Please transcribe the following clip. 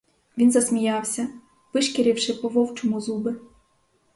Він засміявся, вишкіривши по-вовчому зуби.